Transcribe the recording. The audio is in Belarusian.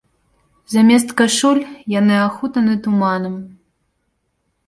Замест кашуль яны ахутаны туманам.